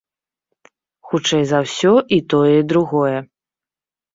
Хутчэй за ўсё, і тое і другое.